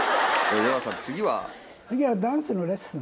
次は。